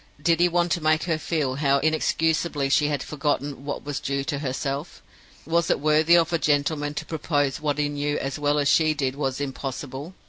Did he want to make her feel how inexcusably she had forgotten what was due to herself? Was it worthy of a gentleman to propose what he knew as well as she did was impossible?